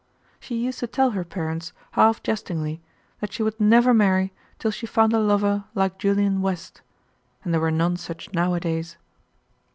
She used to tell her parents, half jestingly, that she would never marry till she found a lover like Julian West, and there were none such nowadays.